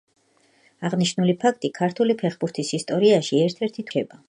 აღნიშნული ფაქტი ქართული ფეხბურთის ისტორიაში ერთ-ერთ თვალსაჩინო ეპიზოდად რჩება.